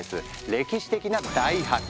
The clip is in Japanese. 歴史的な大発見！